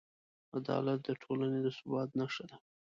عدالت د ټولنې د ثبات نښه ده.